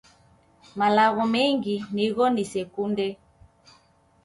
Malogho mengi nigho nisekunde